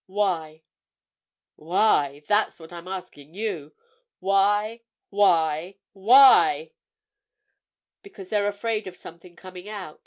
Why?" "Why? That's what I'm asking you! Why? Why? Why?" "Because they're afraid of something coming out.